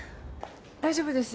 大丈夫です。